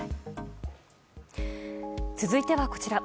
続いては、こちら。